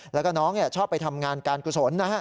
แล้วก็น้องชอบไปทำงานการกุศลนะฮะ